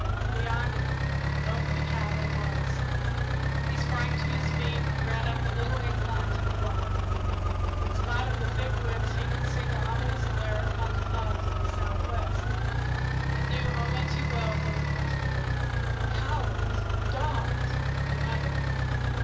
Beyond it, over the cabin, was He sprang to his feet and ran up the little incline to the bluff. In spite of the thick woods he could see the ominous glare upon the clouds in the south west, and knew only too well what it portended. "Cowards! Dogs!" he muttered.